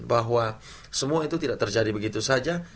bahwa semua itu tidak terjadi begitu saja